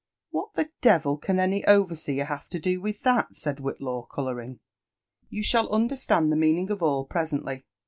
What the devil can any overseer have to do with that?" said Whitlaw, colouring. ''You shall understand the meaning of all presently.